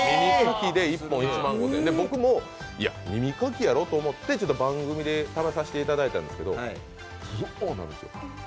僕もいや、耳かきやろと思って番組で試させていただいたんですけど、ぞーっ、なんですよ。